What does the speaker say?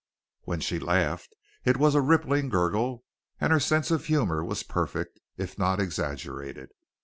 When she laughed it was a rippling gurgle, and her sense of humor was perfect, if not exaggerated.